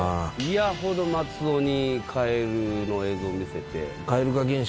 嫌ほど松尾にカエルの映像見せて。